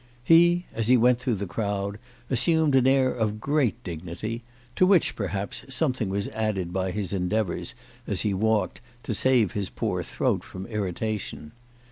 He, as he went through the crowd, assumed an air of great dignity, to which, perhaps, something was added by his endeavours, as he walked, to save his poor throat from irritation.